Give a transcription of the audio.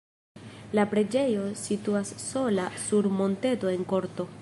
La preĝejo situas sola sur monteto en korto.